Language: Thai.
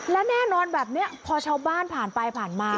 และแน่นอนแบบนี้พอชาวบ้านผ่านไปผ่านมา